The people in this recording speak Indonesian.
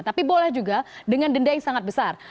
tapi boleh juga dengan denda yang sangat besar